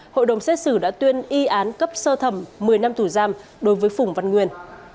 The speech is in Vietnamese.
hội đồng xét xử đã tuyên y án cấp sơ thẩm một mươi năm tù giam đối với phùng văn nguyên